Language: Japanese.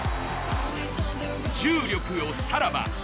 重力よさらば。